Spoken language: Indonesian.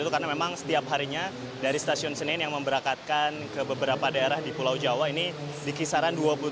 karena memang setiap harinya dari stasiun senen yang memberakatkan ke beberapa daerah di pulau jawa ini di kisaran dua puluh tiga